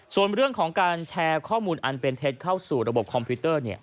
ส่วนเรื่องของการแชร์ข้อมูลเข้าสู่ระบบคอมพิวเตอร์